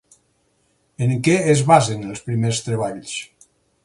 En què es basen els primers treballs?